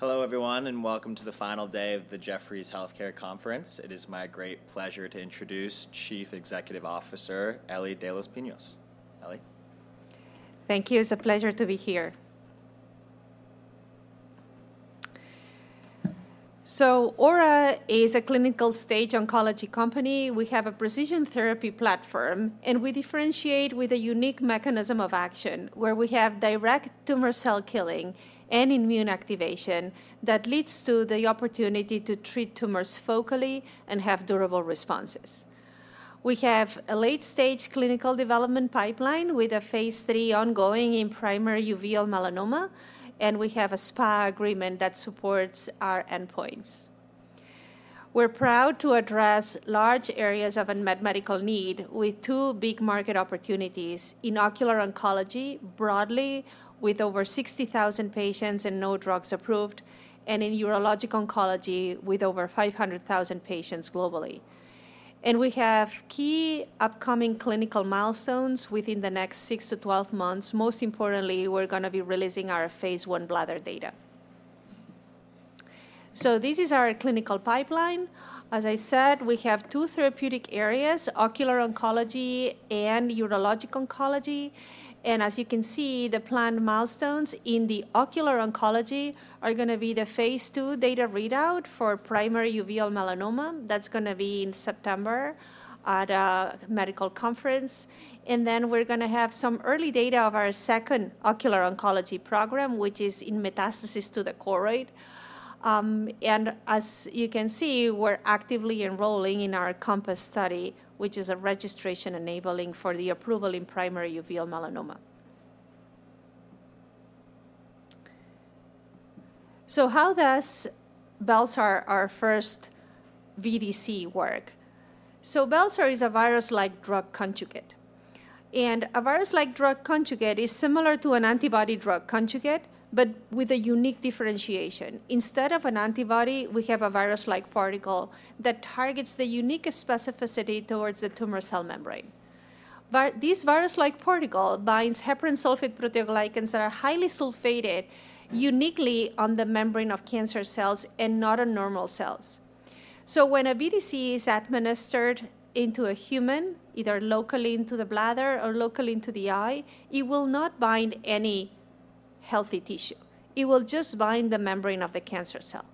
Hello, everyone, and welcome to the final day of the Jefferies Healthcare Conference. It is my great pleasure to introduce Chief Executive Officer, Eli de los Pinos. Eli? Thank you. It's a pleasure to be here. So Aura is a clinical-stage oncology company. We have a precision therapy platform, and we differentiate with a unique mechanism of action, where we have direct tumor cell killing and immune activation that leads to the opportunity to treat tumors focally and have durable responses. We have a late-stage clinical development pipeline with a phase 3 ongoing in primary uveal melanoma, and we have a SPA agreement that supports our endpoints. We're proud to address large areas of unmet medical need with two big market opportunities: in ocular oncology, broadly, with over 60,000 patients and no drugs approved, and in urologic oncology with over 500,000 patients globally. And we have key upcoming clinical milestones within the next 6-12 months. Most importantly, we're gonna be releasing our phase 1 bladder data. So this is our clinical pipeline. As I said, we have two therapeutic areas, ocular oncology and urologic oncology. As you can see, the planned milestones in the ocular oncology are gonna be the phase II data readout for primary uveal melanoma. That's gonna be in September at a medical conference. And then we're gonna have some early data of our second ocular oncology program, which is in metastasis to the choroid. As you can see, we're actively enrolling in our COMPASS study, which is a registration enabling for the approval in primary uveal melanoma. So how does bel-sar, our first VDC, work? So bel-sar is a virus-like drug conjugate, and a virus-like drug conjugate is similar to an antibody drug conjugate, but with a unique differentiation. Instead of an antibody, we have a virus-like particle that targets the unique specificity towards the tumor cell membrane. This virus-like particle binds heparan sulfate proteoglycans that are highly sulfated uniquely on the membrane of cancer cells and not on normal cells. So when a VDC is administered into a human, either locally into the bladder or locally into the eye, it will not bind any healthy tissue. It will just bind the membrane of the cancer cell.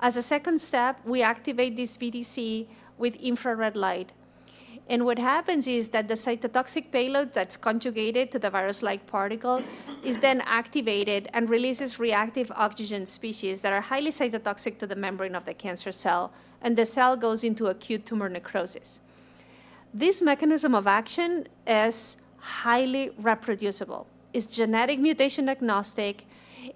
As a second step, we activate this VDC with infrared light, and what happens is that the cytotoxic payload that's conjugated to the virus-like particle is then activated and releases reactive oxygen species that are highly cytotoxic to the membrane of the cancer cell, and the cell goes into acute tumor necrosis. This mechanism of action is highly reproducible. It's genetic mutation agnostic,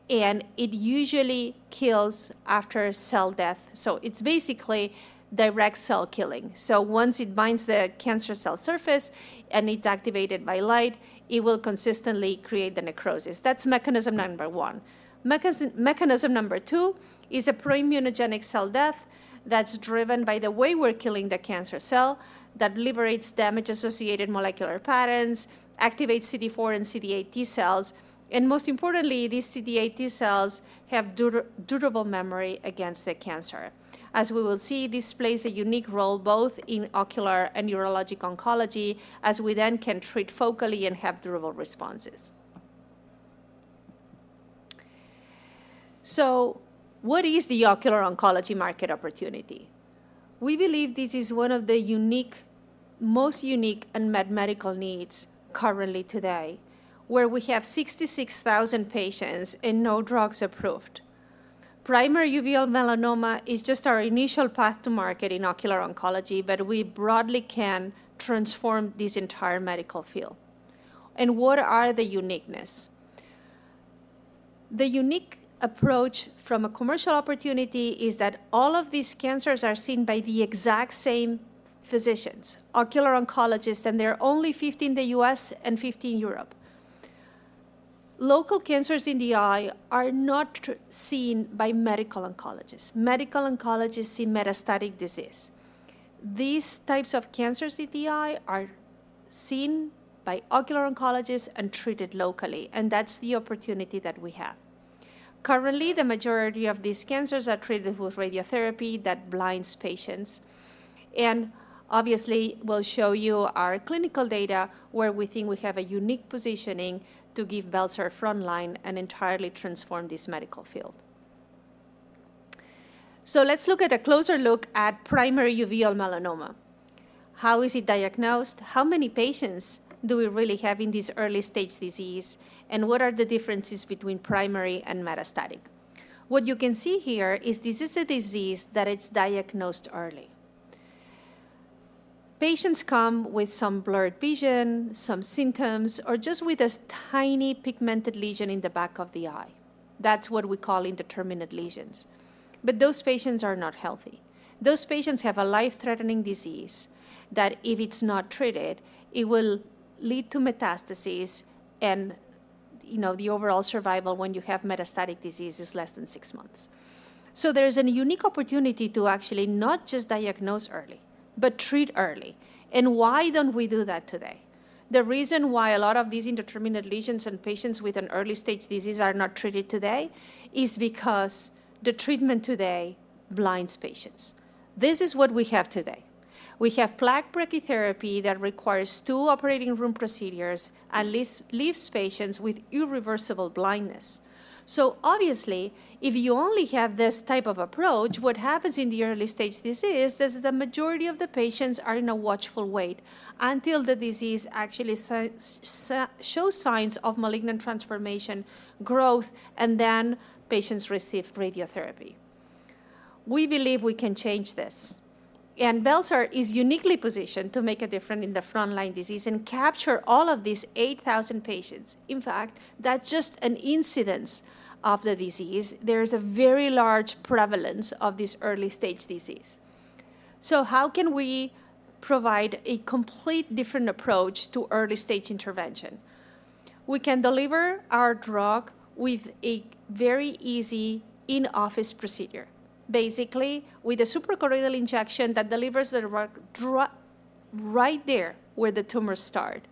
and it usually kills after cell death, so it's basically direct cell killing. So once it binds the cancer cell surface and it's activated by light, it will consistently create the necrosis. That's mechanism number one. Mechanism number two is an immunogenic cell death that's driven by the way we're killing the cancer cell, that liberates damage-associated molecular patterns, activates CD4 and CD8 T cells, and most importantly, these CD8 T cells have durable memory against the cancer. As we will see, this plays a unique role both in ocular and urologic oncology, as we then can treat focally and have durable responses. So what is the ocular oncology market opportunity? We believe this is one of the most unique unmet medical needs currently today, where we have 66,000 patients and no drugs approved. Primary uveal melanoma is just our initial path to market in ocular oncology, but we broadly can transform this entire medical field. What are the uniqueness? The unique approach from a commercial opportunity is that all of these cancers are seen by the exact same physicians, ocular oncologists, and there are only 50 in the U.S. and 50 in Europe. Local cancers in the eye are not seen by medical oncologists. Medical oncologists see metastatic disease. These types of cancers in the eye are seen by ocular oncologists and treated locally, and that's the opportunity that we have. Currently, the majority of these cancers are treated with radiotherapy that blinds patients, and obviously, we'll show you our clinical data, where we think we have a unique positioning to give bel-sar frontline and entirely transform this medical field. So let's look at a closer look at primary uveal melanoma. How is it diagnosed? How many patients do we really have in this early stage disease, and what are the differences between primary and metastatic? What you can see here is this is a disease that it's diagnosed early. Patients come with some blurred vision, some symptoms, or just with a tiny pigmented lesion in the back of the eye. That's what we call indeterminate lesions. But those patients are not healthy. Those patients have a life-threatening disease that if it's not treated, it will lead to metastasis, and, you know, the overall survival when you have metastatic disease is less than six months.... So there's a unique opportunity to actually not just diagnose early, but treat early. And why don't we do that today? The reason why a lot of these indeterminate lesions in patients with an early stage disease are not treated today is because the treatment today blinds patients. This is what we have today. We have plaque brachytherapy that requires two operating room procedures, at least leaves patients with irreversible blindness. So obviously, if you only have this type of approach, what happens in the early stage disease is the majority of the patients are in a watchful wait until the disease actually show signs of malignant transformation growth, and then patients receive radiotherapy. We believe we can change this, and bel-sar is uniquely positioned to make a difference in the frontline disease and capture all of these 8,000 patients. In fact, that's just an incidence of the disease. There is a very large prevalence of this early stage disease. So how can we provide a complete different approach to early stage intervention? We can deliver our drug with a very easy in-office procedure. Basically, with a suprachoroidal injection that delivers the drug right there, where the tumors start,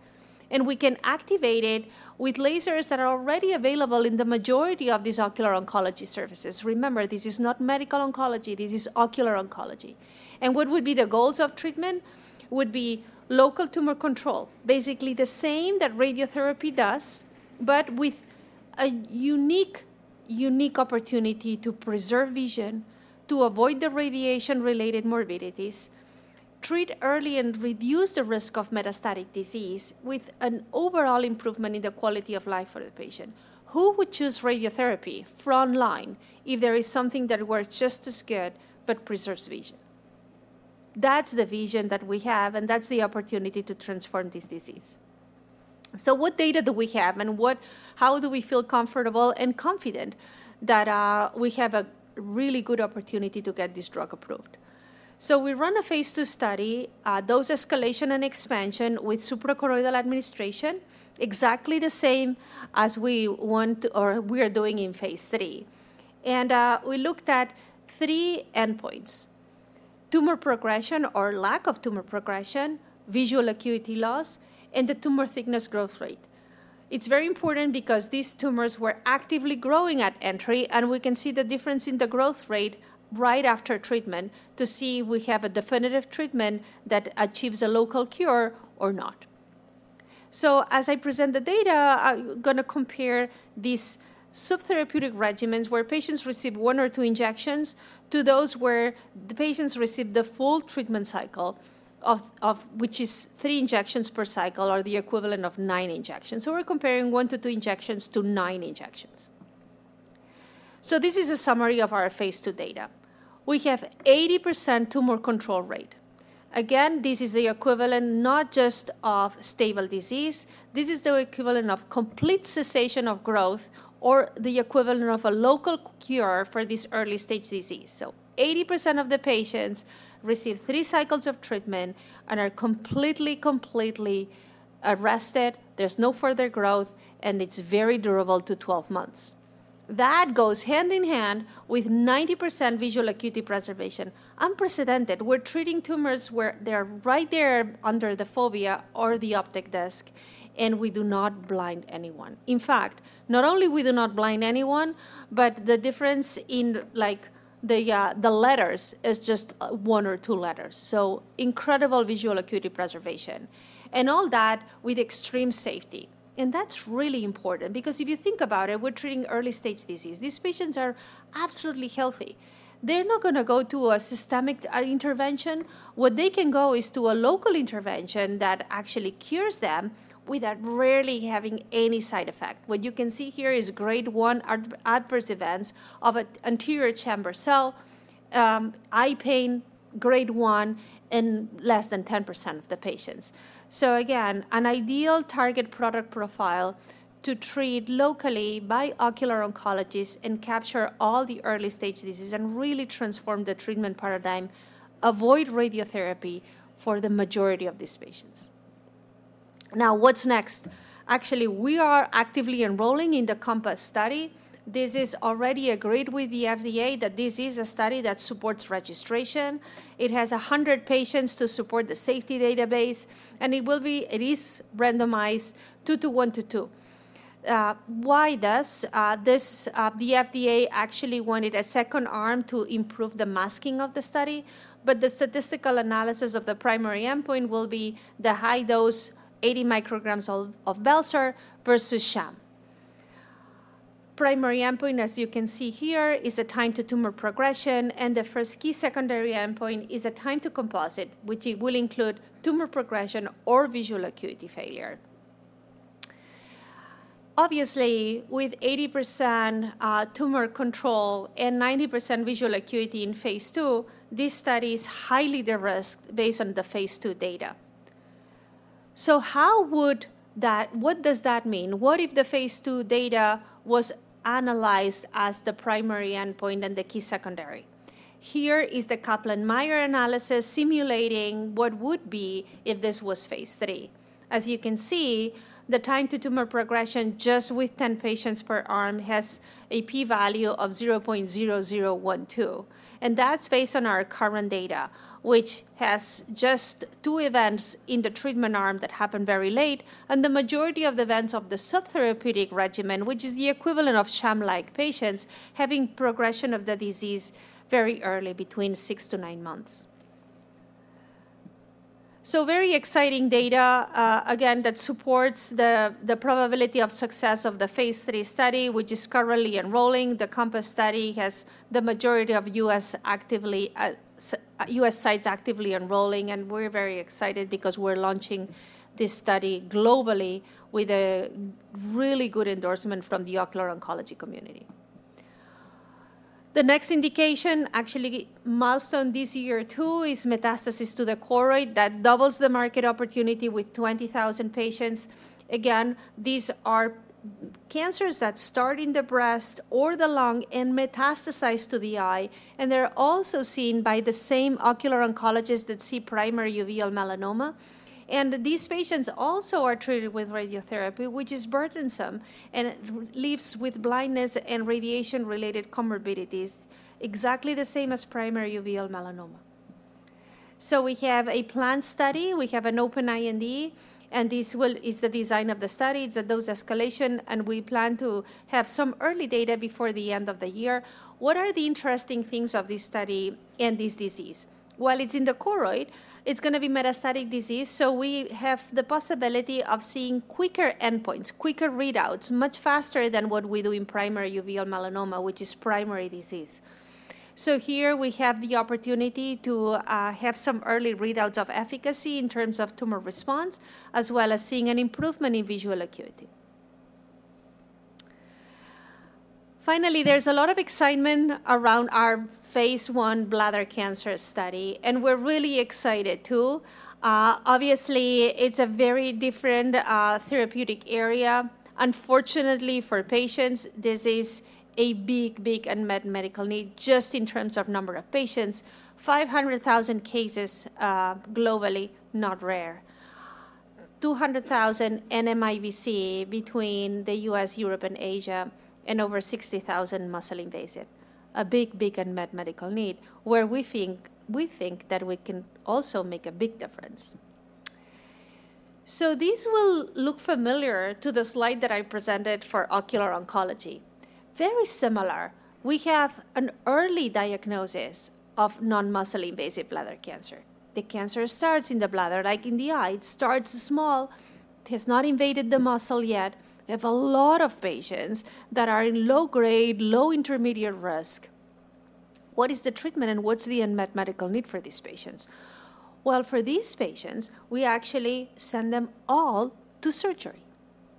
and we can activate it with lasers that are already available in the majority of these ocular oncology services. Remember, this is not medical oncology. This is ocular oncology. What would be the goals of treatment? Would be local tumor control, basically the same that radiotherapy does, but with a unique, unique opportunity to preserve vision, to avoid the radiation-related morbidities, treat early, and reduce the risk of metastatic disease, with an overall improvement in the quality of life for the patient. Who would choose radiotherapy frontline if there is something that works just as good but preserves vision? That's the vision that we have, and that's the opportunity to transform this disease. So what data do we have, and what, how do we feel comfortable and confident that we have a really good opportunity to get this drug approved? So we run a phase II study, dose escalation and expansion with suprachoroidal administration, exactly the same as we want, or we are doing in phase III. We looked at three endpoints: tumor progression or lack of tumor progression, visual acuity loss, and the tumor thickness growth rate. It's very important because these tumors were actively growing at entry, and we can see the difference in the growth rate right after treatment to see if we have a definitive treatment that achieves a local cure or not. So as I present the data, I'm gonna compare these subtherapeutic regimens, where patients receive 1 or 2 injections, to those where the patients receive the full treatment cycle of which is 3 injections per cycle or the equivalent of 9 injections. So we're comparing 1 to 2 injections to 9 injections. So this is a summary of our phase II data. We have 80% tumor control rate. Again, this is the equivalent not just of stable disease. This is the equivalent of complete cessation of growth or the equivalent of a local cure for this early stage disease. So 80% of the patients receive 3 cycles of treatment and are completely, completely arrested. There's no further growth, and it's very durable to 12 months. That goes hand in hand with 90% visual acuity preservation. Unprecedented! We're treating tumors where they're right there under the fovea or the optic disc, and we do not blind anyone. In fact, not only we do not blind anyone, but the difference in, like, the letters is just 1 or 2 letters. So incredible visual acuity preservation, and all that with extreme safety. And that's really important because if you think about it, we're treating early stage disease. These patients are absolutely healthy. They're not gonna go to a systemic intervention. What they can go is to a local intervention that actually cures them without rarely having any side effect. What you can see here is Grade 1 adverse events of an anterior chamber cell, eye pain, Grade 1 in less than 10% of the patients. So again, an ideal target product profile to treat locally by ocular oncologists and capture all the early stage disease and really transform the treatment paradigm, avoid radiotherapy for the majority of these patients. Now, what's next? Actually, we are actively enrolling in the COMPASS study. This is already agreed with the FDA that this is a study that supports registration. It has 100 patients to support the safety database, and it is randomized 2 to 1 to 2. Why this? This, the FDA actually wanted a second arm to improve the masking of the study, but the statistical analysis of the primary endpoint will be the high dose, 80 micrograms of bel-sar versus sham. Primary endpoint, as you can see here, is the time to tumor progression, and the first key secondary endpoint is a time to composite, which it will include tumor progression or visual acuity failure. Obviously, with 80%, tumor control and 90% visual acuity in Phase II, this study is highly de-risked based on the Phase II data. So how would that—what does that mean? What if the Phase II data was analyzed as the primary endpoint and the key secondary?... Here is the Kaplan-Meier analysis simulating what would be if this was Phase 3. As you can see, the time to tumor progression just with 10 patients per arm has a p-value of 0.0012, and that's based on our current data, which has just 2 events in the treatment arm that happened very late, and the majority of events of the sub-therapeutic regimen, which is the equivalent of sham-like patients, having progression of the disease very early, between 6-9 months. So very exciting data, again, that supports the probability of success of the phase 3 study, which is currently enrolling. The COMPASS study has the majority of U.S. sites actively enrolling, and we're very excited because we're launching this study globally with a really good endorsement from the ocular oncology community. The next indication, actually, milestone this year, too, is metastasis to the choroid. That doubles the market opportunity with 20,000 patients. Again, these are cancers that start in the breast or the lung and metastasize to the eye, and they're also seen by the same ocular oncologist that see primary uveal melanoma. And these patients also are treated with radiotherapy, which is burdensome and leaves with blindness and radiation-related comorbidities, exactly the same as primary uveal melanoma. So we have a planned study. We have an open IND, and is the design of the study. It's a dose escalation, and we plan to have some early data before the end of the year. What are the interesting things of this study and this disease? While it's in the choroid, it's gonna be metastatic disease, so we have the possibility of seeing quicker endpoints, quicker readouts, much faster than what we do in primary uveal melanoma, which is primary disease. So here we have the opportunity to have some early readouts of efficacy in terms of tumor response, as well as seeing an improvement in visual acuity. Finally, there's a lot of excitement around our phase one bladder cancer study, and we're really excited, too. Obviously, it's a very different therapeutic area. Unfortunately for patients, this is a big, big unmet medical need just in terms of number of patients. 500,000 cases globally, not rare. 200,000 NMIBC between the U.S., Europe, and Asia, and over 60,000 muscle-invasive. A big, big unmet medical need where we think, we think that we can also make a big difference. So this will look familiar to the slide that I presented for ocular oncology. Very similar, we have an early diagnosis of non-muscle invasive bladder cancer. The cancer starts in the bladder, like in the eye. It starts small, it has not invaded the muscle yet. We have a lot of patients that are in low grade, low intermediate risk. What is the treatment, and what's the unmet medical need for these patients? Well, for these patients, we actually send them all to surgery.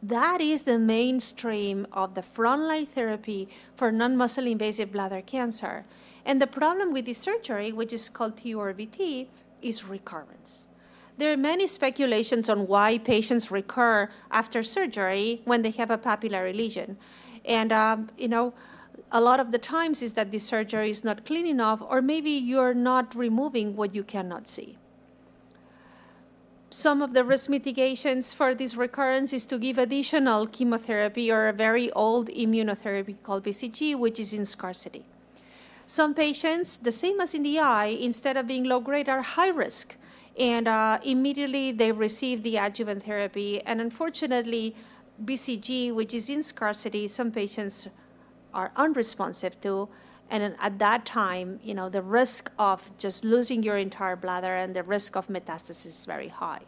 That is the mainstream of the frontline therapy for non-muscle invasive bladder cancer. And the problem with this surgery, which is called TURBT, is recurrence. There are many speculations on why patients recur after surgery when they have a papillary lesion, and, you know, a lot of the times is that the surgery is not clean enough, or maybe you're not removing what you cannot see. Some of the risk mitigations for this recurrence is to give additional chemotherapy or a very old immunotherapy called BCG, which is in scarcity. Some patients, the same as in the eye, instead of being low grade, are high risk, and immediately they receive the adjuvant therapy. And unfortunately, BCG, which is in scarcity, some patients are unresponsive to, and at that time, you know, the risk of just losing your entire bladder and the risk of metastasis is very high.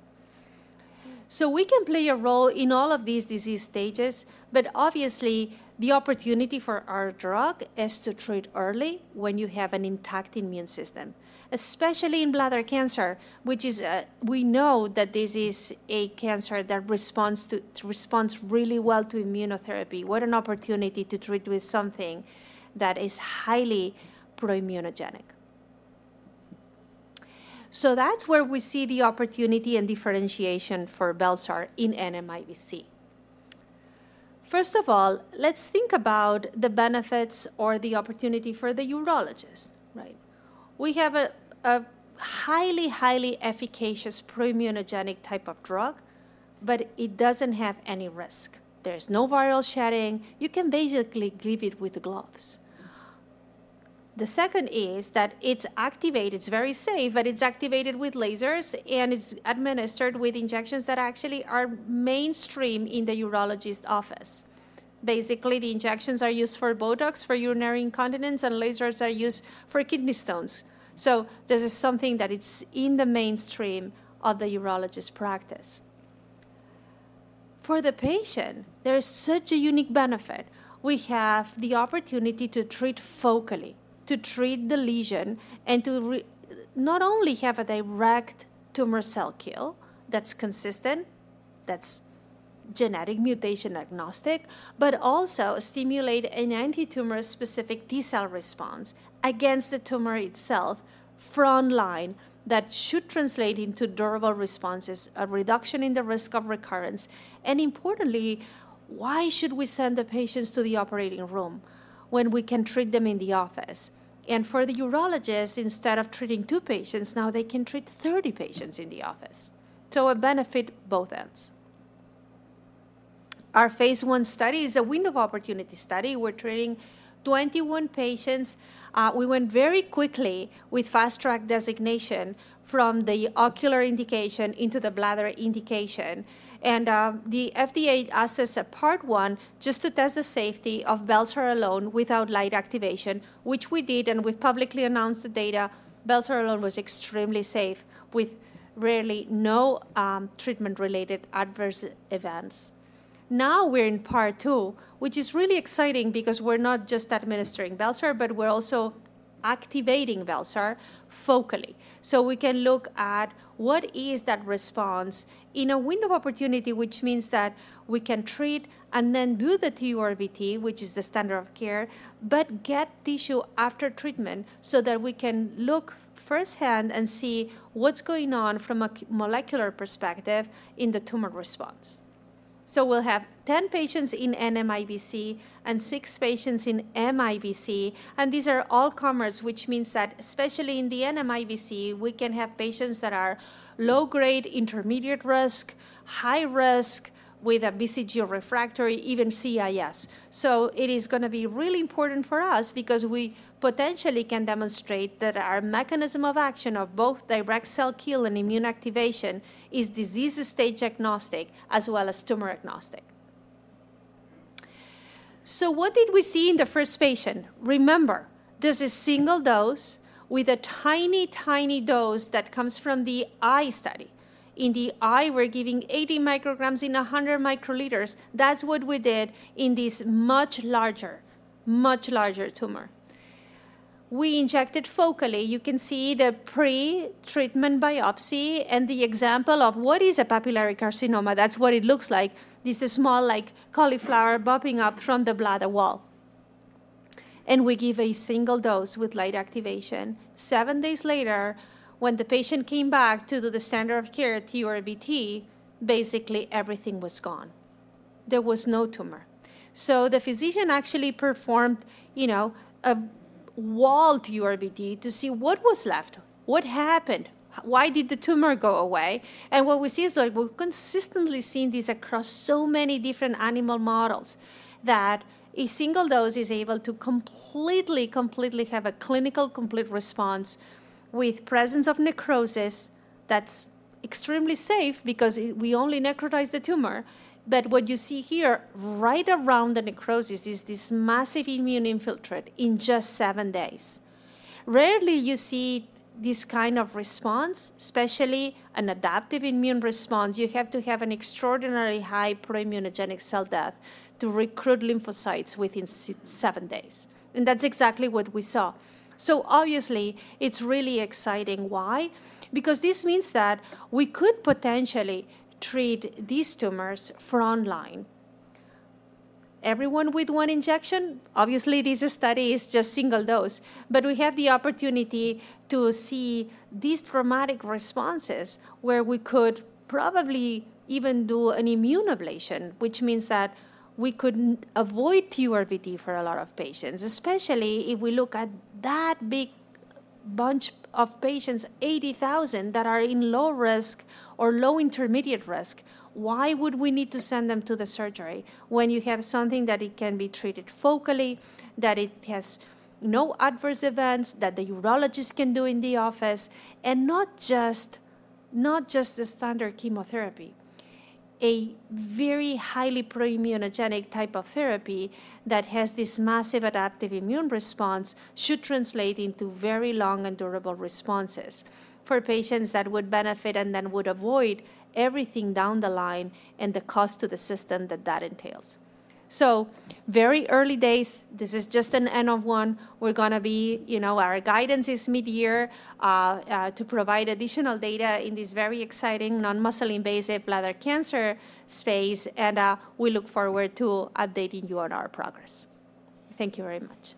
So we can play a role in all of these disease stages, but obviously, the opportunity for our drug is to treat early when you have an intact immune system, especially in bladder cancer, which is, we know that this is a cancer that responds really well to immunotherapy. What an opportunity to treat with something that is highly pro-immunogenic. So that's where we see the opportunity and differentiation for bel-sar in NMIBC. First of all, let's think about the benefits or the opportunity for the urologist, right? We have a highly efficacious proimmunogenic type of drug, but it doesn't have any risk. There's no viral shedding. You can basically give it with gloves. The second is that it's activated. It's very safe, but it's activated with lasers, and it's administered with injections that actually are mainstream in the urologist office. Basically, the injections are used for Botox, for urinary incontinence, and lasers are used for kidney stones. So this is something that it's in the mainstream of the urologist practice. For the patient, there is such a unique benefit. We have the opportunity to treat focally, to treat the lesion, and to not only have a direct tumor cell kill that's consistent, that's genetic mutation agnostic, but also stimulate an antitumor specific T cell response against the tumor itself frontline. That should translate into durable responses, a reduction in the risk of recurrence, and importantly, why should we send the patients to the operating room when we can treat them in the office? And for the urologist, instead of treating 2 patients, now they can treat 30 patients in the office.... so it benefit both ends. Our phase one study is a window of opportunity study. We're treating 21 patients. We went very quickly with fast track designation from the ocular indication into the bladder indication. And, the FDA asked us a part one just to test the safety of bel-sar alone without light activation, which we did, and we've publicly announced the data. Bel-sar alone was extremely safe, with rarely no, treatment-related adverse events. Now we're in part two, which is really exciting because we're not just administering bel-sar, but we're also activating bel-sar focally. So we can look at what is that response in a window of opportunity, which means that we can treat and then do the TURBT, which is the standard of care, but get tissue after treatment so that we can look firsthand and see what's going on from a molecular perspective in the tumor response. So we'll have 10 patients in NMIBC and 6 patients in MIBC, and these are all comers, which means that, especially in the NMIBC, we can have patients that are low grade, intermediate risk, high risk, with a BCG refractory, even CIS. So it is going to be really important for us because we potentially can demonstrate that our mechanism of action of both direct cell kill and immune activation is disease stage-agnostic as well as tumor-agnostic. So what did we see in the first patient? Remember, this is single dose with a tiny, tiny dose that comes from the eye study. In the eye, we're giving 80 micrograms in 100 microliters. That's what we did in this much larger, much larger tumor. We injected focally. You can see the pre-treatment biopsy and the example of what is a papillary carcinoma. That's what it looks like. This is small, like cauliflower bumping up from the bladder wall. And we give a single dose with light activation. 7 days later, when the patient came back to do the standard of care, TURBT, basically everything was gone. There was no tumor. So the physician actually performed, you know, a full TURBT to see what was left, what happened, why did the tumor go away? What we see is that we've consistently seen this across so many different animal models, that a single dose is able to completely, completely have a clinical complete response with presence of necrosis. That's extremely safe because we only necrotize the tumor. But what you see here, right around the necrosis, is this massive immune infiltrate in just seven days. Rarely you see this kind of response, especially an adaptive immune response. You have to have an extraordinarily high pro-immunogenic cell death to recruit lymphocytes within seven days, and that's exactly what we saw. Obviously, it's really exciting. Why? Because this means that we could potentially treat these tumors frontline. Everyone with one injection, obviously, this study is just single dose, but we have the opportunity to see these dramatic responses where we could probably even do an immune ablation, which means that we could avoid TURBT for a lot of patients, especially if we look at that big bunch of patients, 80,000, that are in low risk or low intermediate risk. Why would we need to send them to the surgery when you have something that it can be treated focally, that it has no adverse events, that the urologist can do in the office, and not just, not just the standard chemotherapy? A very highly pro-immunogenic type of therapy that has this massive adaptive immune response should translate into very long and durable responses for patients that would benefit and then would avoid everything down the line and the cost to the system that that entails. So very early days, this is just an N of one. We're going to be, you know, our guidance is mid-year to provide additional data in this very exciting non-muscle invasive bladder cancer space, and we look forward to updating you on our progress. Thank you very much.